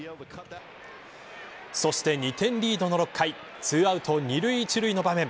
そして２点リードの６回２アウト２塁１塁の場面。